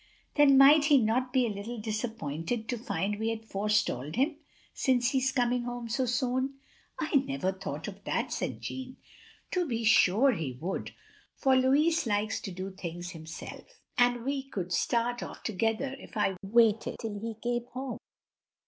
"Then might he not be a little disappointed to find we had forestalled him? Since he is coming home so soon?" "I never thought of that," said Jeanne. "To be sure he would. For Louis likes to do things himself. And we could start off together if I waited till he came home.